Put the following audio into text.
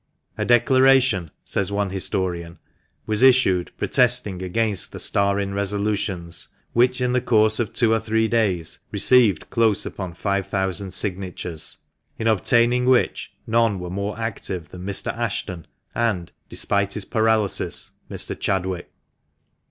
"A declaration," says one historian, "was issued, protesting against the 'Star Inn' resolutions, which, in the course of two or three days, received close upon five thousand signatures," in obtaining which none were more active than Mr. Ashton and (despite his paralysis) Mr. Chadwick.